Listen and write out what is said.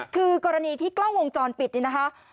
คือกรณีที่กล้องวงจรปิดนี่นะคะ